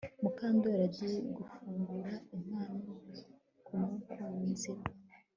Mukandoli agiye gufungura impano kumukunzi we